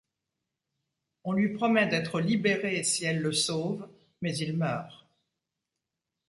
On lui promet d'être libérée si elle le sauve mais il meurt.